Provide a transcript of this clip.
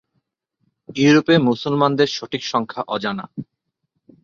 ইউরোপে মুসলমানদের সঠিক সংখ্যা অজানা।